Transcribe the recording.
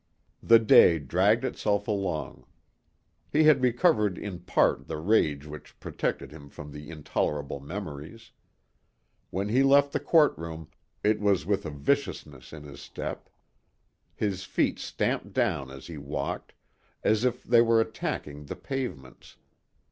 The day dragged itself along. He had recovered in part the rage which protected him from the intolerable memories. When he left the courtroom it was with a viciousness in his step. His feet stamped down as he walked, as if they were attacking the pavements.